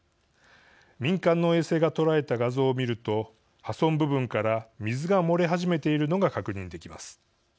民間の衛星が捉えた画像を見ると破損部分から水が漏れ始めているのが確認できます。